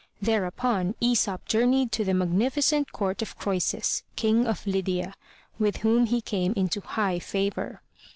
Thereupon, Aesop journeyed to the magnificent court of Croesus, King of Lydia, with whom he came into high favor.